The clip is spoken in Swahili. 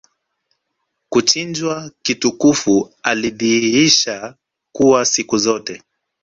kuchinjwa kitukufu alidhihisha kuwa siku zote